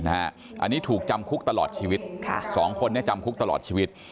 อันนี้ถูกจำคุกตลอดชีวิต๒คนนี้จำคุกตลอดชีวิต